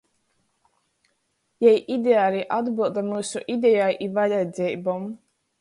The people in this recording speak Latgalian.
Jei ideāli atbylda myusu idejai un vajadzeibom.